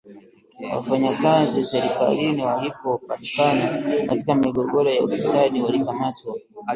wafanyakazi serikalini waliopatikana katika migogoro ya ufisadi walikamatwa